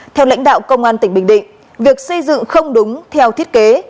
theo lãnh đạo công an tỉnh bình định việc xây dựng không đúng theo thiết kế